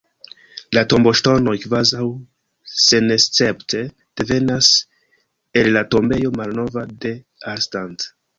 La tomboŝtonoj kvazaŭ senescepte devenas el la Tombejo malnova de Arnstadt.